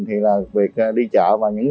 thì là việc đi chợ và những rau củ quả